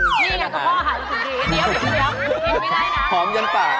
นี่ไงกระพ่ออาหารถึงดีเดี๋ยว